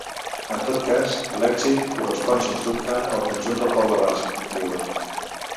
En tot cas, l’èxit correspon, sens dubte, al conjunt del poble basc, diuen.